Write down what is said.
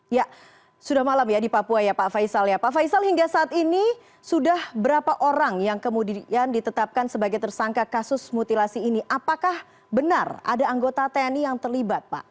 ya sudah malam ya di papua ya pak faisal ya pak faisal hingga saat ini sudah berapa orang yang kemudian ditetapkan sebagai tersangka kasus mutilasi ini apakah benar ada anggota tni yang terlibat pak